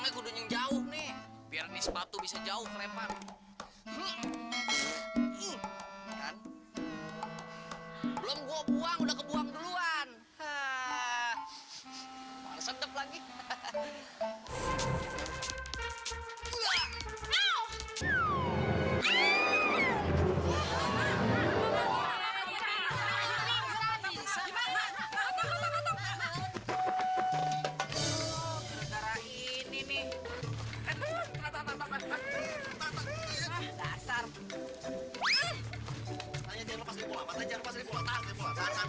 gue tarik eh taunya sepatu ini gue kesel gue buang aja di sepatu